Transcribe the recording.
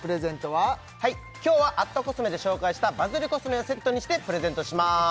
はい今日は＠ｃｏｓｍｅで紹介したバズりコスメをセットにしてプレゼントします